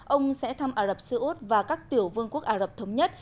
ông sẽ thăm ả rập xê út và các tiểu vương quốc ả rập thống nhất